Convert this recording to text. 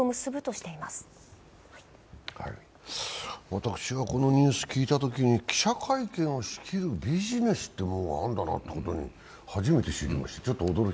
私がこのニュースを聞いたときに記者会見を仕切るビジネスというものがあるんだなということ初めて知りました。